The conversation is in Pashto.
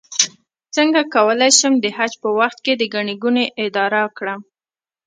څنګه کولی شم د حج په وخت کې د ګڼې ګوڼې اداره کړم